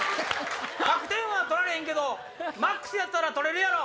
「１００点は取られへんけどマックスやったら取れるやろ」。